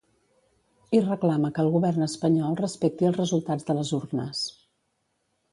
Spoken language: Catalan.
I reclama que el govern espanyol respecti els resultats de les urnes.